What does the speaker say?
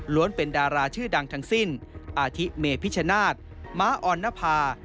เป็นดาราชื่อดังทั้งสิ้นอาทิเมพิชชนาธิ์ม้าออนนภา